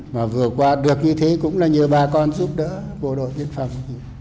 mà vừa qua được như thế cũng là nhờ bà con giúp đỡ bộ đội biên phòng